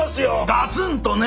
ガツンとね！